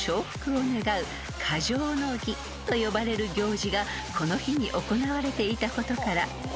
［と呼ばれる行事がこの日に行われていたことから］